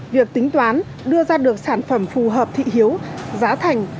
việc tính toán đưa ra được sản phẩm phù hợp thị hiếu giá thành